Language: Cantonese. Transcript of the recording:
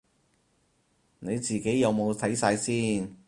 你自己有冇睇晒先